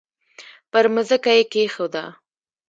پر مځکه یې کښېږده!